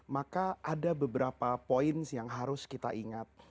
maka ada beberapa poin yang harus kita ingat